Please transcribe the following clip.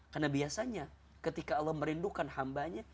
karena biasanya ketika allah merindukan hambanya